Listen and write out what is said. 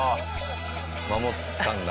守ったんだ。